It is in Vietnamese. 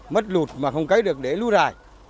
mất lụt mà không cấy được để lũ rài